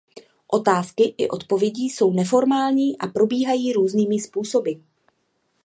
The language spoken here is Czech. Otázky i odpovědi jsou neformální a probíhají různými způsoby.